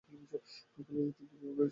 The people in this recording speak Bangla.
এই কলেজে তিনটি বিভাগ রয়েছে।